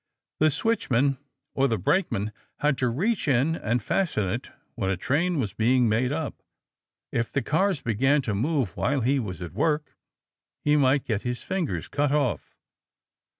The switchman or the brakeman had to reach in and fasten it when a train was being made up. If the cars began to move while he was at work, he might get his fingers cut off.